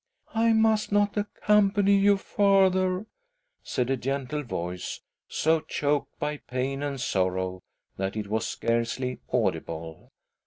"I must not accompany you farther," said a gentle voice, so choked by pain and sorrow that it was scarcely audible.